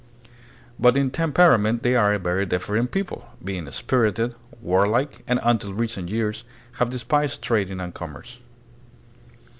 But in temperament they are a very different people, being spirited, warlike, and, until recent years, have despised trading and commerce.